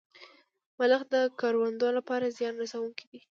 ملخ د کروندو لپاره زیان رسوونکی دی